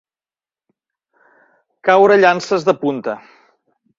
Caure llances de punta.